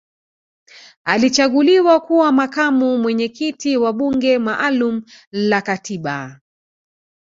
alichaguliwa kuwa makamu mwenyekiti wa bunge maalum la katiba